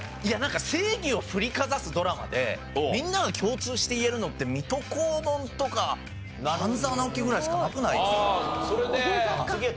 いやなんか正義を振りかざすドラマでみんなが共通して言えるのって『水戸黄門』とか『半沢直樹』ぐらいしかなくないですか？